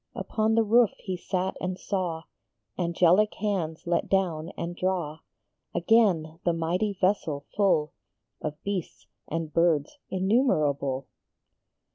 Upon the roof he sat and saw Angelic hands let down and draw Again the mighty vessel full Of beasts and birds innumerable.